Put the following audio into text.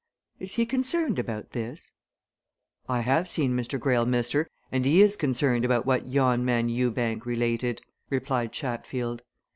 "Is he concerned about this?" "I have seen Mr. Greyle, mister, and he is concerned about what yon man, Ewbank, related," replied Chatfield.